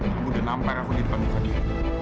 kamu udah nampar aku di depan bukadir